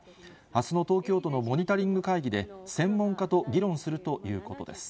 あすの東京都のモニタリング会議で、専門家と議論するということです。